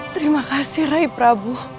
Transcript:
terima kasih rai prabu